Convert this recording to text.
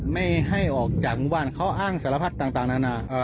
ไม่ให้ออกจากหมู่บ้านเขาอ้างสารพัดต่างนานา